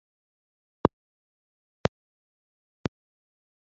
kugeza ubwo natekereje no kwiyahura